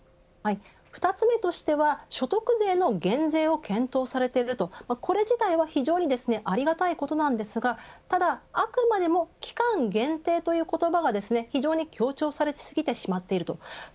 ２つ目としては、所得税の減税を検討されているとこれ自体は非常にありがたいことですがただ、あくまでも期間限定という言葉が非常に強調され過ぎています。